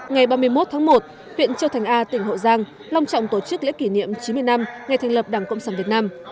ngày ba mươi một tháng một huyện châu thành a tỉnh hậu giang long trọng tổ chức lễ kỷ niệm chín mươi năm ngày thành lập đảng cộng sản việt nam